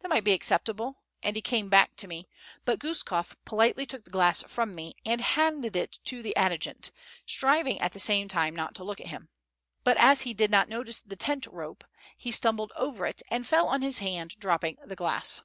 "That might be acceptable," and he came back to me; but Guskof politely took the glass from me, and handed it to the adjutant, striving at the same time not to look at him. But as he did not notice the tent rope, he stumbled over it, and fell on his hand, dropping the glass.